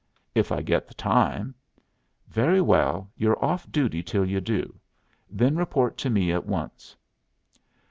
"If I get the time." "Very well, you're off duty till you do. Then report to me at once."